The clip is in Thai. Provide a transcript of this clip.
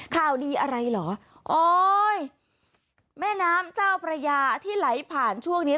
ข่าวดีอะไรเหรอโอ๊ยแม่น้ำเจ้าพระยาที่ไหลผ่านช่วงนี้